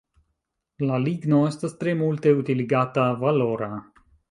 La ligno estas tre multe utiligata, valora.